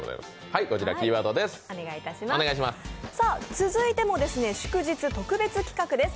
続いても、祝日特別企画です。